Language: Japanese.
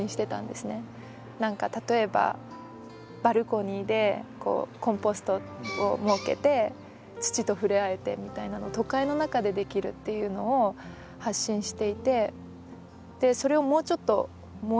何か例えばバルコニーでコンポストを設けて土と触れ合えてみたいなのを都会の中でできるっていうのを発信していて。